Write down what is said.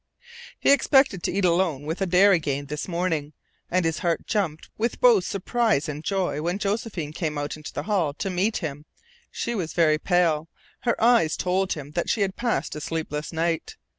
He expected to eat alone with Adare again this morning, and his heart jumped with both surprise and joy when Josephine came out into the hall to meet him. She was very pale. Her eyes told him that she had passed a sleepless night.